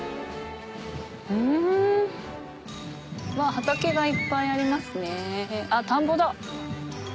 畑がいっぱいありますねあっ田んぼだ。